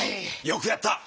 よくやった！